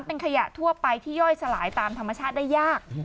เป็นขยะทั่วไปที่ย่อยสลายตามธรรมชาติได้ยาก